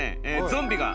ゾンビが。